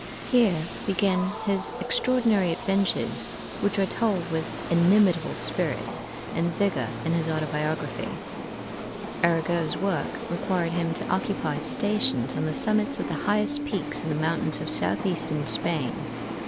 [Illustration: D. FR. ARAGO] Here begin his extraordinary adventures, which are told with inimitable spirit and vigor in his 'Autobiography.' Arago's work required him to occupy stations on the summits of the highest peaks in the mountains of southeastern Spain.